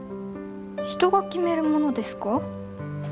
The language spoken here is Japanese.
人が決めるものですか？